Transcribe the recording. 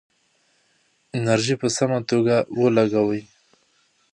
انرژي په سمه توګه ولګوئ.